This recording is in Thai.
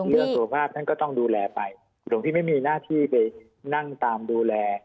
เรื่องสุขภาพท่านก็ต้องดูแลไปหลวงพี่ไม่มีหน้าที่ไปนั่งตามดูแล